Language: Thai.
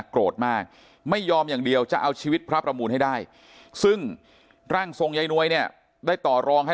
โกรธมากไม่ยอมอย่างเดียวจะเอาชีวิตพระประมูลให้ได้ซึ่งร่างทรงยายนวยเนี่ยได้ต่อรองให้